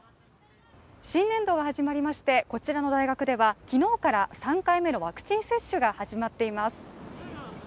新年度が始まりまして、こちらの大学では昨日から３回目のワクチン接種が始まっています。